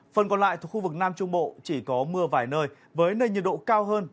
phần còn lại thuộc khu vực nam trung bộ chỉ có mưa vài nơi với nền nhiệt độ cao hơn